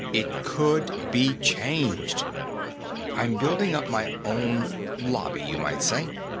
It could be changed. "I'm building up my own lobby, you might say.